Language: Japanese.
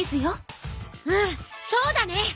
うんそうだね。